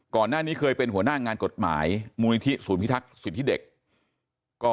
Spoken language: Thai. ก่อนหน้านี้เคยเป็นหัวหน้างานกฎหมายมูลนิธิศูนย์พิทักษ์สิทธิเด็ก